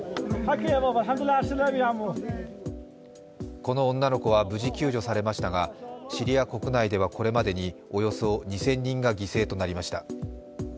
この女の子は無事、救助されましたが、シリア国内ではこれまでにおよそ２０００人が犠牲となりました。